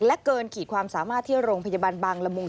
และเกินขีดความสามารถที่โรงพยาบาลบางละมุง